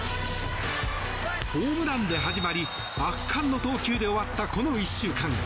ホームランで始まり圧巻の投球で終わったこの１週間。